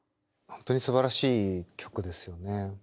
本当にすばらしい曲ですよね。